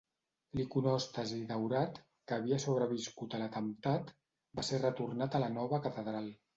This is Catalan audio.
L'iconòstasi daurat, que havia sobreviscut a l'atemptat, va ser retornat a la nova catedral.